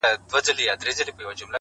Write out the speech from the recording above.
زما د ميني جنډه پورته ښه ده،